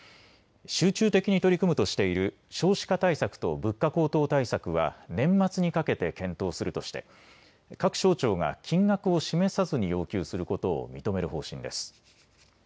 集中的に取り組むとしている少子化対策と物価高騰対策は年末にかけて検討するとして各省庁が金額を示さずに要求することを認める方針です。